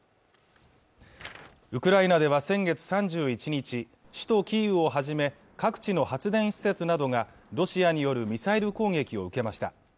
ウクライナでは先月３１日首都キーウをはじめ各地の発電施設などがロシアによるミサイル攻撃を受けました